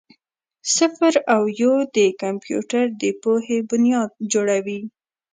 صفر او یو د کمپیوټر د پوهې بنیاد جوړوي.